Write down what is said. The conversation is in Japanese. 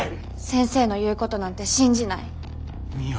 先生の言うことなんて信じない。